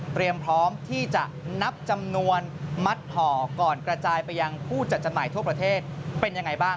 พร้อมที่จะนับจำนวนมัดห่อก่อนกระจายไปยังผู้จัดจำหน่ายทั่วประเทศเป็นยังไงบ้าง